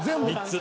３つ。